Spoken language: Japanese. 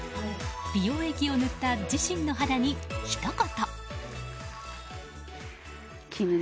美容液を塗った自身の肌に、ひと言。